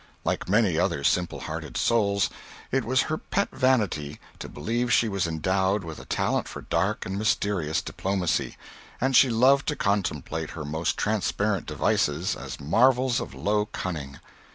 Like many other simple hearted souls, it was her pet vanity to believe she was endowed with a talent for dark and mysterious diplomacy, and she loved to contemplate her most transparent devices as marvels of low cunning.